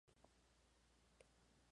El papa impone su uso exclusivo.